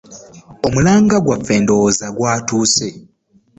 Omulanga gwaffe ndowooza gwatuuse.